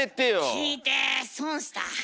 聞いて損した。